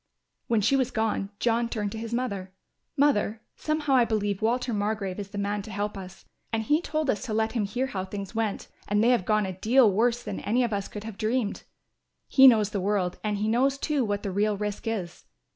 When she was gone John turned to his mother, "Mother, somehow I believe Walter Margrove is the man to help us, and he told us to let him hear how things went and they have gone a deal worse than any of us could have dreamed. He knows the world and he knows, too, what the real risk is.